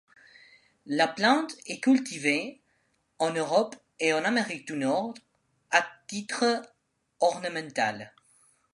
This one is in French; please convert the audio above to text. La plante est cultivée en Europe et en Amérique du Nord à titre ornementale.